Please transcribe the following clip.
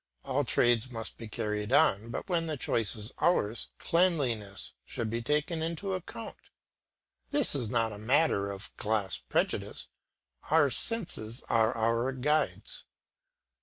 All trades must be carried on, but when the choice is ours, cleanliness should be taken into account; this is not a matter of class prejudice, our senses are our guides.